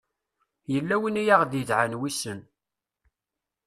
yella win i aɣ-d-idɛan wissen